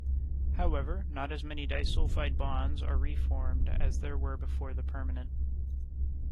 However, not as many disulfide bonds are reformed as there were before the permanent.